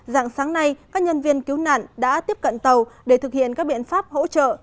dạng sáng nay các nhân viên cứu nạn đã tiếp cận tàu để thực hiện các biện pháp hỗ trợ